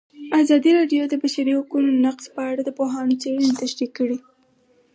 ازادي راډیو د د بشري حقونو نقض په اړه د پوهانو څېړنې تشریح کړې.